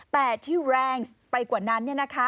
แต่ที่แรงไปกว่านั้น